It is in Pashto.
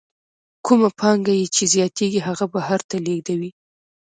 کومه پانګه یې چې زیاتېږي هغه بهر ته لېږدوي